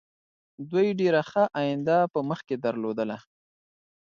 دوی ډېره ښه آینده په مخکې درلودله.